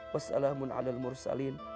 wassalamun ala mursalin